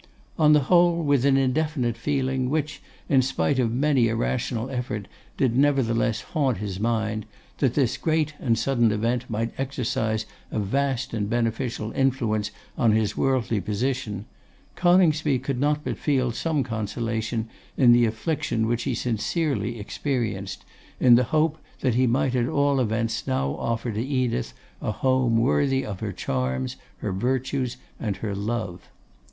On the whole, with an indefinite feeling which, in spite of many a rational effort, did nevertheless haunt his mind, that this great and sudden event might exercise a vast and beneficial influence on his worldly position, Coningsby could not but feel some consolation in the affliction which he sincerely experienced, in the hope that he might at all events now offer to Edith a home worthy of her charms, her virtues, and her love.